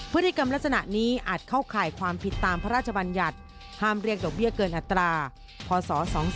พฤติกรรมลักษณะนี้อาจเข้าข่ายความผิดตามพระราชบัญญัติห้ามเรียกดอกเบี้ยเกินอัตราพศ๒๔